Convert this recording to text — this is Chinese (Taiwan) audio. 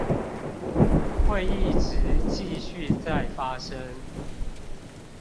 會一直繼續再發生